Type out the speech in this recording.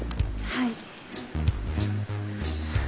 はい！